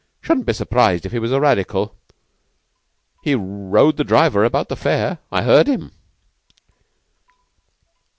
"Shouldn't be surprised if he was a Radical. He rowed the driver about the fare. I heard him."